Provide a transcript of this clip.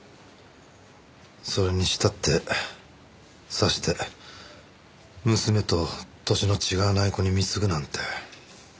それにしたってさして娘と歳の違わない子に貢ぐなんて。